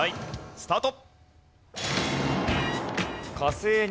スタート。